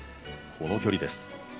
この距離です。